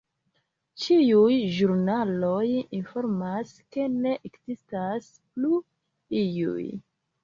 Ĉiuj ĵurnaloj informas, ke ne ekzistas plu iuj!